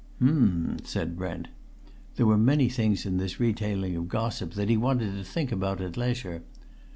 "Um!" said Brent. There were many things in this retailing of gossip that he wanted to think about at leisure.